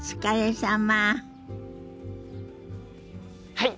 はい！